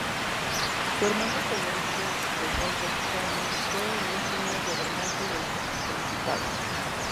Su hermano Federico de Waldeck-Pyrmont, fue el último gobernante del principado.